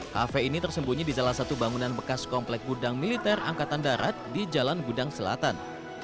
kafe ini tersembunyi di salah satu bangunan bekas komplek gudang militer angkatan darat di jalan gudang selatan